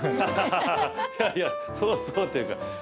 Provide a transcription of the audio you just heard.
いやいや「そうそう」って言うから。